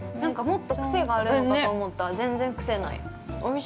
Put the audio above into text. もっと癖があるのかと思ったら、全然くせがない。